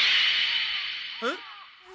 えっ？